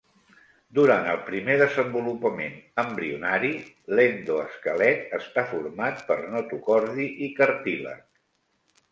Durant el primer desenvolupament embrionari, l'endoesquelet està format per notocordi i cartílag.